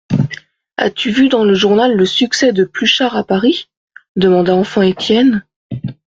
As-tu vu dans le journal le succès de Pluchart à Paris ? demanda enfin Étienne.